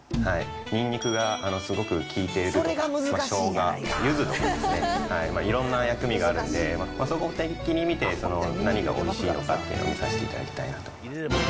にんにくがすごく効いているとか、しょうが、ゆずとかですね、いろんな薬味があるんで、そこを総合的に見て、何がおいしいのかっていうのを見させていただきたいなと。